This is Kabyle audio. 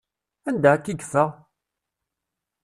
Anda akka i yeffeɣ?